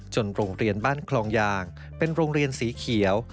โรงเรียนบ้านคลองยางเป็นโรงเรียนสีเขียว